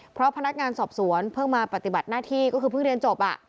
เพราะพนักงานสอบสวนเพิ่งมาปฏิบัติหน้าที่ก็คือเพิ่งเรียนจบ